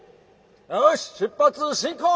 よし出発進行！